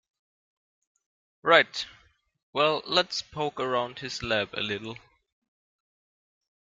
Right, well let's poke around his lab a little.